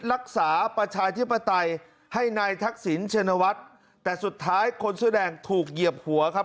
ประชาธิปไตยให้นายทักษิณชินวัฒน์แต่สุดท้ายคนเสื้อแดงถูกเหยียบหัวครับ